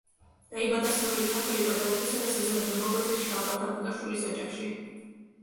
დაიბადა ცნობილი ქართველი პედაგოგისა და საზოგადო მოღვაწის შალვა თაბუკაშვილის ოჯახში.